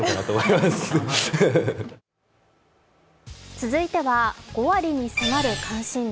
続いては、５割に迫る関心度。